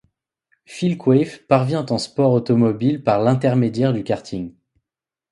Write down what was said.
Phil Quaife parvient en sport automobile par l’intermédiaire du karting.